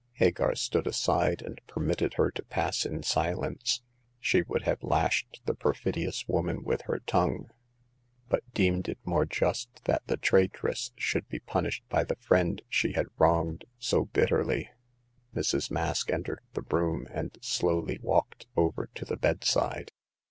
Hagar stood aside and per mitted her to pass in silence. She would have lashed the perfidious woman with her tongue, but deemed it more just that the traitress should be punished by the friend she had wronged so bitterly. Mrs. Mask entered the room, and slowly walked over to the bedside.